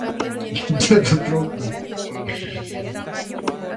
Prefiere las zonas abiertas, y suele verse en zonas urbanas.